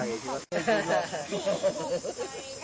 นี่เห็นจริงตอนนี้ต้องซื้อ๖วัน